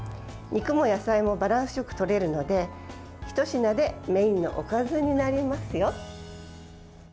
肉も野菜もバランスよくとれるので１品でメインのおかずになりますよ。